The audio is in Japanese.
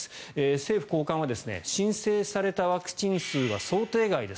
政府高官は申請されたワクチン数は想定外です。